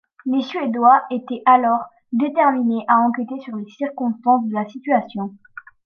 Les Suédois étaient alors déterminés à enquêter sur les circonstances de la situation.